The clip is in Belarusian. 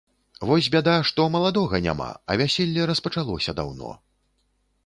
Вось бяда, што маладога няма, а вяселле распачалося даўно.